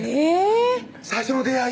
最初の出会い？